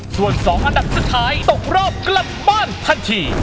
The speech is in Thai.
ส่วน๒อันดับสุดท้ายตกรอบกลับบ้านทันที